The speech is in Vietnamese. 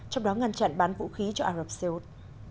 trong đó ngăn chặn bán vũ khí cho arab seoul